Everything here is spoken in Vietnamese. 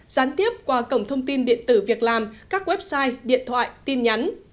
gián tiếp qua cổng thông tin điện tử việc làm các website điện thoại tin nhắn